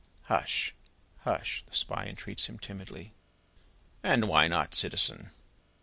"Hush, hush!" the Spy entreats him, timidly. "And why not, citizen?"